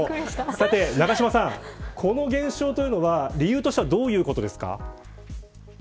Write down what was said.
さて、長嶋さん、この現象は理由としてはどういうことですか。